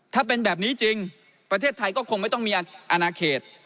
ถ้าเป็นแบบนี้จริงประเทศไทยก็คงไม่ต้องมีอนาเขต